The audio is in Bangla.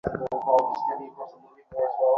মহেন্দ্র তাহাকে ডাকিয়া পাঠাইল।